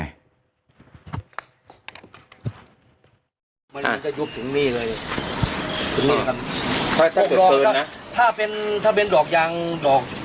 มันจะยุบถึงนี่เลยถึงนี่ครับดอกถ้าเป็นถ้าเป็นดอกยางดอก